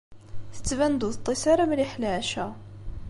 Tettban-d ur teṭṭis ara mliḥ leɛca.